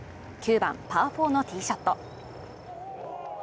９番パー４のティーショット。